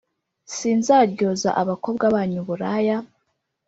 Sinzaryoza abakobwa banyu uburaya,